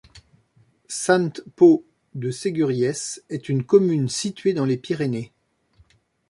Sant Pau de Segúries est une commune située dans les Pyrénées.